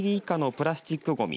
プラスチックごみ